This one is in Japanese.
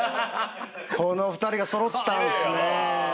この２人がそろったんですね。